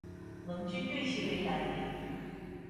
盟军对其为兰迪。